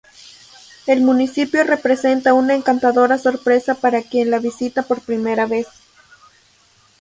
El municipio representa una encantadora sorpresa para quien la visita por primera vez.